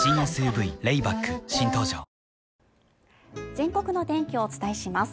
全国の天気をお伝えします。